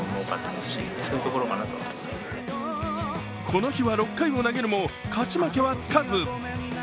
この日は６回を投げるも勝ち負けはつかず。